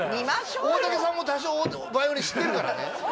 大竹さんも多少ヴァイオリン知ってるからね。